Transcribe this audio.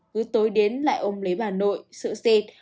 cứ tối đến lại ông lấy bà nội sợ xệt